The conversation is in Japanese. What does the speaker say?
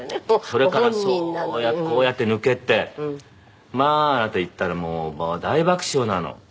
それからこうやって抜けてまああなた行ったらもう大爆笑なの。